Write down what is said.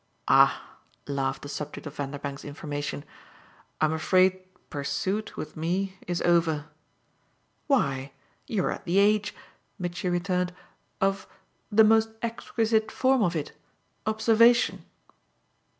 "Ah," laughed the subject of Vanderbank's information, "I'm afraid 'pursuit,' with me, is over." "Why, you're at the age," Mitchy returned, "of the most exquisite form of it. Observation."